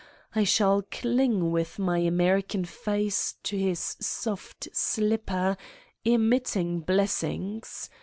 I shall cling with my American face to his soft slipper, emitting bles sings.